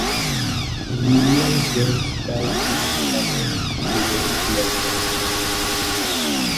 William James তাঁর জীবনকাল জুড়ে লেখেন।